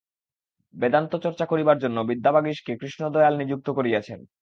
বেদান্তচর্চা করিবার জন্য বিদ্যাবাগীশকে কৃষ্ণদয়াল নিযুক্ত করিয়াছিলেন।